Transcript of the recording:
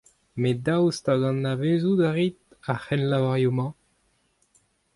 Met daoust hag anavezout a rit ar cʼhrennlavarioù-mañ ?